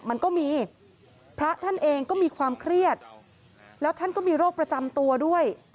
มันก็มีพระท่านเองก็มีความเครียดแล้วท่านก็มีโรคประจำตัวด้วย